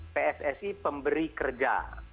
pssi pemberi kerja